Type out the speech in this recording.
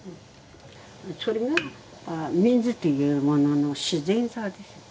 それがミズというものの自然さでしょ。